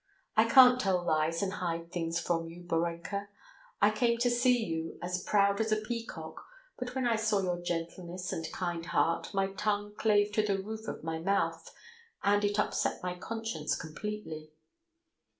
I can't tell lies and hide things from you, Borenka. I came to see you as proud as a peacock, but when I saw your gentleness and kind heart, my tongue clave to the roof of my mouth, and it upset my conscience completely."